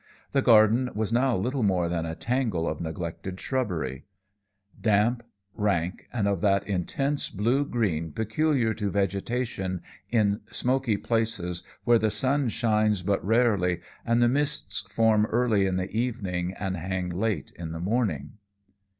The garden was now little more than a tangle of neglected shrubbery; damp, rank, and of that intense blue green peculiar to vegetation in smoky places where the sun shines but rarely, and the mists form early in the evening and hang late in the morning.